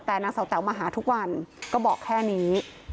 แต่นางเสาแต๋วมาหาทุกวันก็บอกแค่นี้